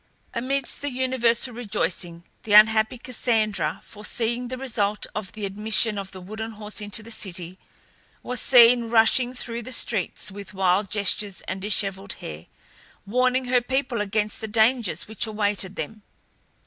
Amidst the universal rejoicing the unhappy Cassandra, foreseeing the result of the admission of the wooden horse into the city, was seen rushing through the streets with wild gestures and dishevelled hair, warning her people against the dangers which awaited them.